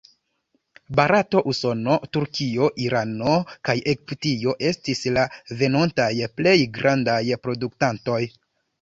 Barato, Usono, Turkio, Irano kaj Egipto estis la venontaj plej grandaj produktantoj.